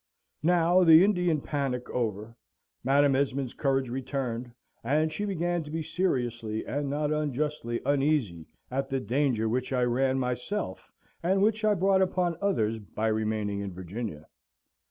Now, the Indian panic over, Madam Esmond's courage returned: and she began to be seriously and not unjustly uneasy at the danger which I ran myself, and which I brought upon others, by remaining in Virginia.